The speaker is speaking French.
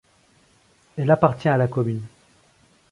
Elle appartient à la commune.